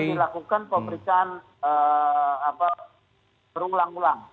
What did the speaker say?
ini akan dilakukan pemeriksaan berulang ulang